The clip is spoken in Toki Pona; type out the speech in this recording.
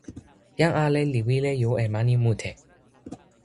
jan ale li wile jo e mani mute.